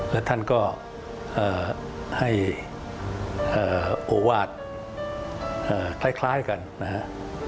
และท่านก็ให้โอวาสคล้ายกันนะครับ